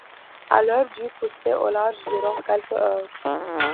Alert dut pousser au large durant quelques heures.